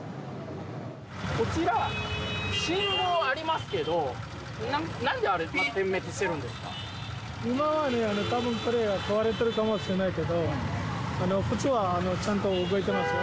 こちら、信号ありますけど、なんであれ、今はね、たぶん壊れてるかもしれないけど、普通はちゃんと動いてますよ。